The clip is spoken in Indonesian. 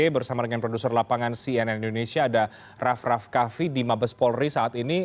bersama dengan produser lapangan cnn indonesia ada raff raff kaffi di mabes polri saat ini